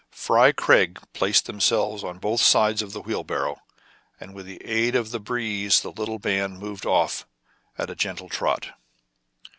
Fry Craig placed themselves on both sides of the wheelbarrow ; and with the aid of the breeze the little band moved off at a gentle trot.